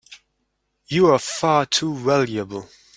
You're far too valuable!